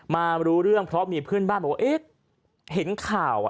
มารู้เรื่องเพราะมีเพื่อนบ้านบอกว่าเอ๊ะเห็นข่าวอ่ะ